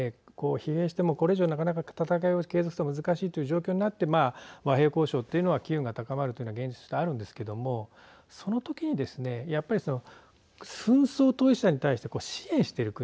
疲弊して、これ以上なかなか戦いを継続するのは難しいという状況になって和平交渉というのは機運が高まるというのが現実であるんですけどもその時にですね、やっぱり紛争当事者に対して支援している国